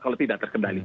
kalau tidak terkendali